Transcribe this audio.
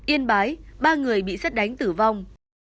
yên bái ba người bị sắt đánh tử vong